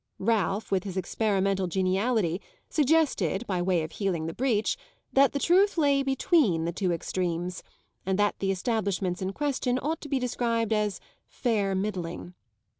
Ralph, with his experimental geniality, suggested, by way of healing the breach, that the truth lay between the two extremes and that the establishments in question ought to be described as fair middling.